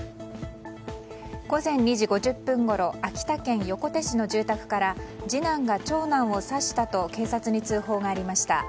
午前２時５０分ごろ秋田県横手市の住宅から次男が長男を刺したと警察に通報がありました。